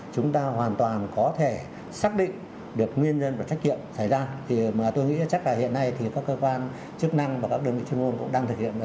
cũng là một vấn đề cần phải chăm chép